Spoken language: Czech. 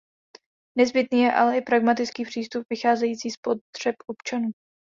Nezbytný je ale i pragmatický přístup vycházející z potřeb občanů.